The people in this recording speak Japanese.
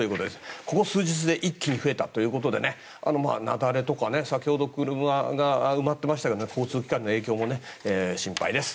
ここ数日で一気に増えたということで雪崩とか、先ほど車が埋まっていましたけど交通機関への影響も心配です。